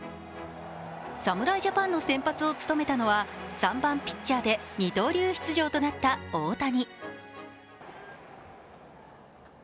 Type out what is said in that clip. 侍ジャパンの先発を務めたのは３番・ピッチャーで二刀流出場となった大谷。